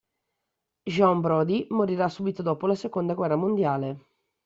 Jean Brodie morirà subito dopo la Seconda guerra mondiale.